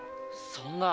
そんな。